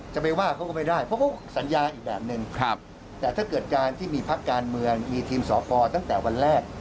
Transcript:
จะไปว่าเขาก็ไม่ได้เพราะเขาสัญญาอีกแบบนึงแต่ถ้าเกิดการที่มีพักการเมืองมีทีมสอกรตั้งแต่วันแรก